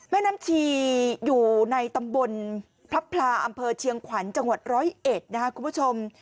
แม่น้ำชีอยู่ในตำบลพระพลาอำเภอเชียงขวัญจังหวัดร้อยเอ็ดนะครับคุณผู้ชม